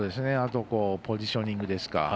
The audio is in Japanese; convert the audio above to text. ポジショニングですか。